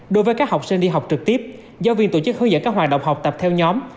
đối với các học sinh đi học trực tiếp giáo viên tổ chức hướng dẫn các hoạt động học tập theo nhóm